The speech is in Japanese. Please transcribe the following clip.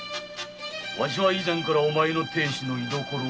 わしは以前からお前の亭主の居所を知っていた。